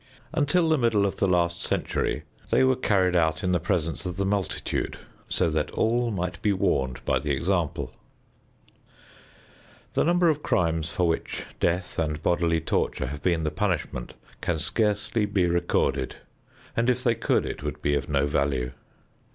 Until the middle of the last century they were carried out in the presence of the multitude so that all might be warned by the example. The number of crimes for which death and bodily torture have been the punishment can scarcely be recorded, and if they could it would be of no value.